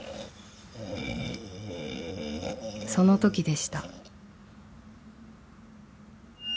・［そのときでした］